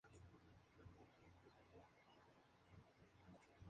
Habita en Kenia, Tanzania y Zambia.